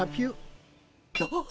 あっ。